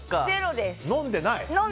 飲んでない。